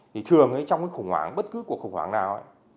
thì thường trong cái khủng hoảng bất cứ cuộc khủng hoảng nào ấy